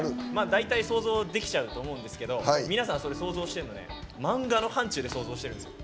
大体、想像できちゃうと思うんですけど皆さん、想像してるんですけどマンガの範ちゅうで想像してるんですよ。